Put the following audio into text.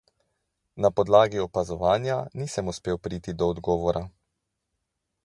Na podlagi opazovanja nisem uspel priti do odgovora.